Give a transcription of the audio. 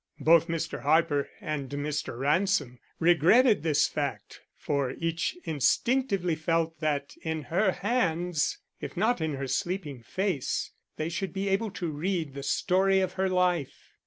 Both Mr. Harper and Mr. Ransom regretted this fact, for each instinctively felt that in her hands, if not in her sleeping face, they should be able to read the story of her life.